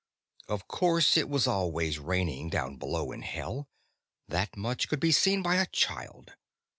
Of course it was always raining down below in Hell, that much could be seen by a child.